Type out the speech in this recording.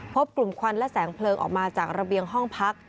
พบกลุ่มควันและแสงเพลิงออกมาจากระเบียงห้องพัก